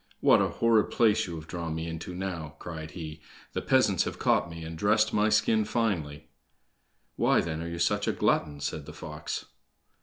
"What a horrid place you have drawn me into now," cried he; "the peasants have caught me, and dressed my skin finely!" "Why, then, are you such a glutton?" said the fox.